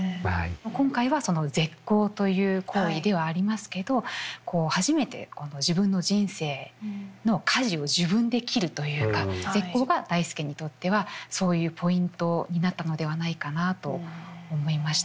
今回はその絶交という行為ではありますけどこう初めてこの自分の人生のかじを自分で切るというか絶交が代助にとってはそういうポイントになったのではないかなと思いました。